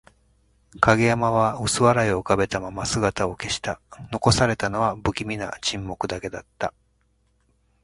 影山は薄笑いを浮かべたまま姿を消した。残されたのは、不気味な沈黙だけだった。